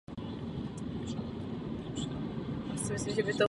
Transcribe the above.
Po návratu ze studií nastoupil do aparátu strany.